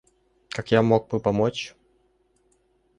Как я мог бы помочь?